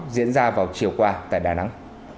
diễn ra vào chiều qua tại đà nẵng